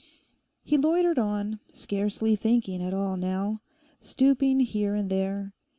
He loitered on, scarcely thinking at all now, stooping here and there.